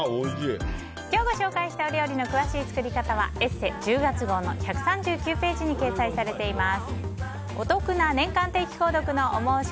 今日ご紹介したお料理の詳しい作り方は「ＥＳＳＥ」１０月号の１３９ページに掲載しています。